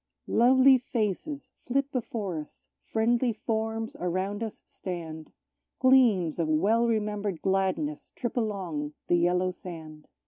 Lovely faces flit before us, friendly forms around us stand; Gleams of well remembered gladness trip along the yellow sand.